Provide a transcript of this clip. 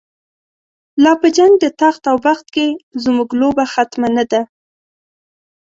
لاپه جنګ دتخت اوبخت کی، زموږ لوبه ختمه نه ده